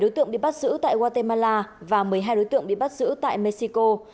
một đối tượng bị bắt giữ tại guatemala và một mươi hai đối tượng bị bắt giữ tại mexico